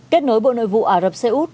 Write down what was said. kết nối bộ nội vụ ả rập xê út